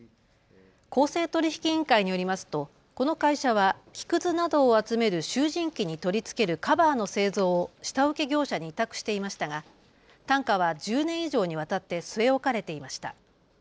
公正取引委員会によりますとこの会社は木くずなどを集める集じん機に取り付けるカバーの製造を下請け業者に委託していましたが、単価は１０年以上にわたって据え置かれていました。